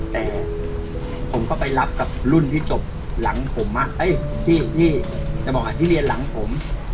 แต่ผมก็ไปรับกับรุ่นที่จบหลังผมมาเอ้ยที่ที่จะบอกค่ะที่เรียนหลังผม